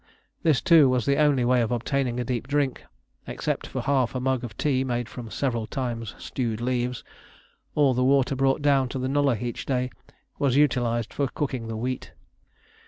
This, too, was the only way of obtaining a deep drink; except for half a mug of tea made from several times stewed leaves, all the water brought down to the nullah each day was utilised for cooking the wheat.